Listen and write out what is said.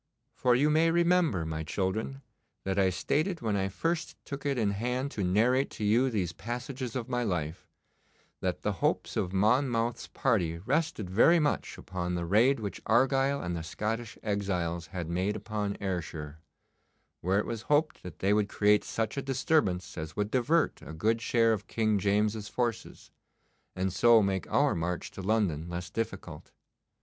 For you may remember, my children, that I stated when I first took it in hand to narrate to you these passages of my life, that the hopes of Monmouth's party rested very much upon the raid which Argyle and the Scottish exiles had made upon Ayrshire, where it was hoped that they would create such a disturbance as would divert a good share of King James's forces, and so make our march to London less difficult.